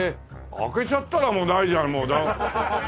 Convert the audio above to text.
開けちゃったらもうないじゃん。